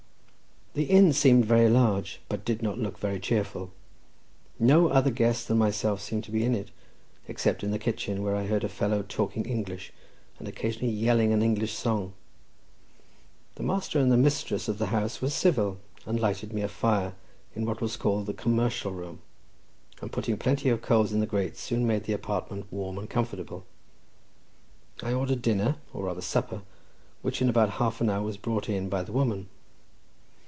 The inn seemed very large, but did not look very cheerful. No other guest than myself seemed to be in it, except in the kitchen, where I heard a fellow talking English, and occasionally yelling an English song; the master and mistress of the house were civil, and lighted me a fire in what was called the Commercial Room, and putting plenty of coals in the grate, soon made the apartment warm and comfortable. I ordered dinner, or rather supper, which in about half an hour was brought in by the woman.